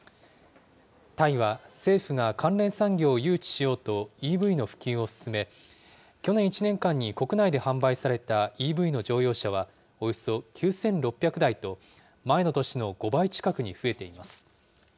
タイは政府が関連産業を誘致しようとＥＶの普及を進め、去年１年間に国内で販売されたＥＶの乗用車はおよそ９６００台と、前の年の５倍近くに増えています。